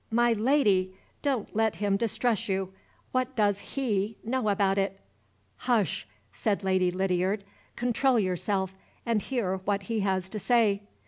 my Lady! don't let him distress you! What does he know about it?" "Hush!" said Lady Lydiard. "Control yourself, and hear what he has to say."